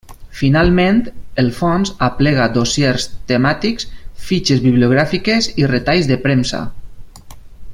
Finalment, el fons aplega dossiers temàtics, fitxes bibliogràfiques i retalls de premsa.